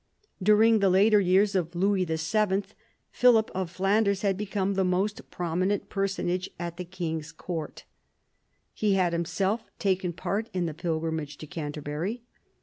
During the later years of Louis VII. , Philip of Flanders had become the most prominent personage at the king's court. He had himself taken part in the pilgrimage to Canterbury.